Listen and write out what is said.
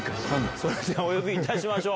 それではお呼びいたしましょう。